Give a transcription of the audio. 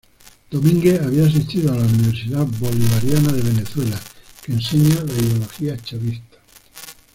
Domínguez había asistido a la Universidad Bolivariana de Venezuela, que enseña la ideología chavista.